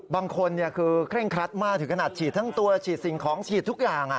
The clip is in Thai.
บางคนคือเคร่งครัดมากถึงขนาดฉีดทั้งตัวฉีดสิ่งของฉีดทุกอย่าง